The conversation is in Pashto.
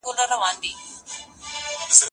زه موسيقي نه اورم